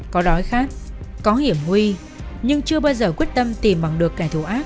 có đói khát có hiểm nguy nhưng chưa bao giờ quyết tâm tìm bằng được kẻ thù ác